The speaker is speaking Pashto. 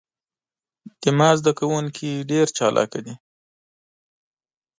زما ذده کوونکي ډیر چالاکه دي.